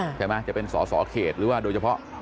ใช่ไหมจะเป็นสอสอเขตหรือว่าโดยเฉพาะ